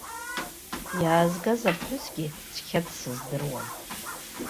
Иаазгаз аԥҳәысгьы цқьа дсыздыруам.